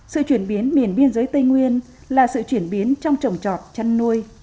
sự chuyển biến miền biên giới tây nguyên là sự chuyển biến trong trồng trọt chăn nuôi